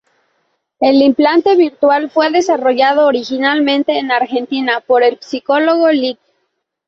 El implante virtual fue desarrollado originalmente en Argentina por el Psicólogo Lic.